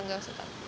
enggak gak tetapi